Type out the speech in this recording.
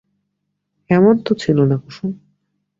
এমন তো ছিল না কুসুম!